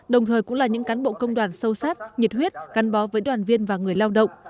đồng thời cũng là những cán bộ công đoàn sâu sát nhiệt huyết gắn bó với đoàn viên và người lao động